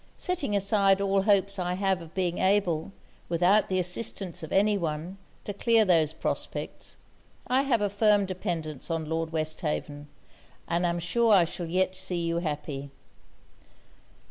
'Setting aside all hopes I have of being able, without the assistance of any one, to clear those prospects, I have a firm dependance on Lord Westhaven, and am sure I shall yet see you happy.'